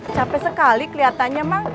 capek sekali kelihatannya mang